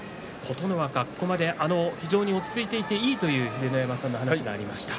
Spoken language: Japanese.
ここまで非常に落ち着いていていいという秀ノ山さんの話がありました。